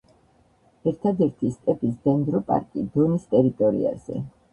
ერთადერთი სტეპის დენდროპარკი დონის ტერიტორიაზე.